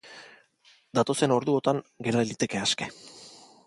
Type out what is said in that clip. Datozen orduotan gera liteke aske.